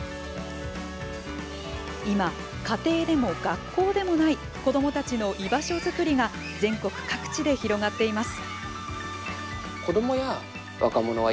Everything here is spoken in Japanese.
今、家庭でも学校でもない子どもたちの居場所作りが全国各地で広がっています。